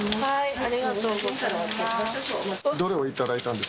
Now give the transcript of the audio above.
ありがとうございます。